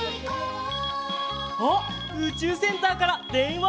あっうちゅうセンターからでんわだ！